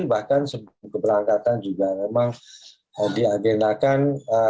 bahkan sebelum keberangkatan juga memang diagenakan